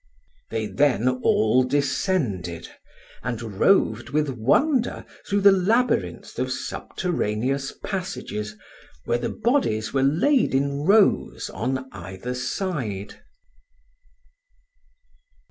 They then all descended, and roved with wonder through the labyrinth of subterraneous passages, where the bodies were laid in rows on either side.